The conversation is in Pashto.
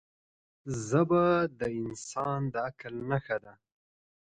ژبه د انسان د عقل نښه ده